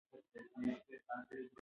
کوټه کې د پخوا په څېر ارامي وه.